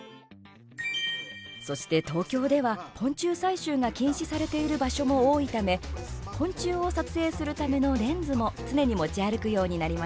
そして東京では、昆虫採集が禁止されている場所も多いため昆虫を撮影するためのレンズも常に持ち歩くようになりました。